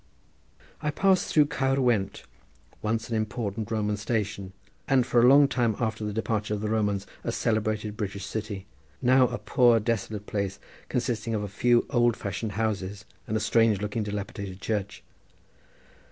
I passed through Caer Went, once an important Roman station, and for a long time after the departure of the Romans a celebrated British city, now a poor desolate place consisting of a few old fashioned houses and a strange looking dilapidated church.